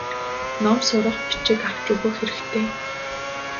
Ном сурах бичиг авч өгөх хэрэгтэй.